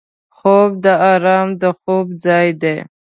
خوب د آرام د خوب ځای دی